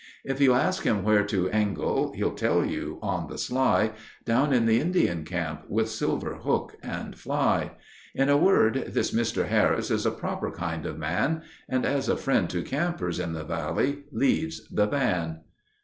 If you ask him where to angle—he'll tell you—on the sly Down in the Indian Camp—with silver hook and fly. In a word this Mr. Harris is a proper kind of man, And as a friend to campers in the Valley—leads the van.